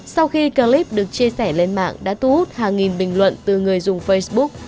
sau khi clip được chia sẻ lên mạng đã thu hút hàng nghìn bình luận từ người dùng facebook